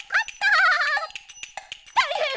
たいへん！